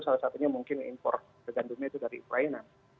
salah satunya mungkin impor gandumnya itu dari ukraina